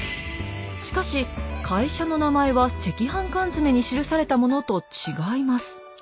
しかし会社の名前は赤飯缶詰に記されたものと違います。